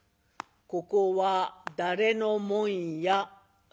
ここは誰のもんや？」。